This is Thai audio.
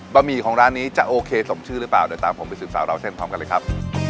หมี่ของร้านนี้จะโอเคสมชื่อหรือเปล่าเดี๋ยวตามผมไปสืบสาวราวเส้นพร้อมกันเลยครับ